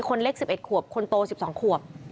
คนเล็ก๑๑ขวบคนโต๑๒ขวบ